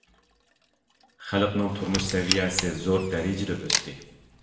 خەلقنىڭ تۇرمۇش سەۋىيەسى زور دەرىجىدە ئۆستى.